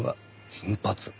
金髪！